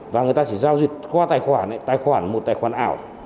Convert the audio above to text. và người ta chỉ giao duyệt qua tài khoản này tài khoản một tài khoản ảo